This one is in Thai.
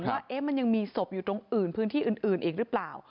ว่ามันยังมีศพอยู่ตรงอื่นพื้นที่อื่นอีกหรือเปล่า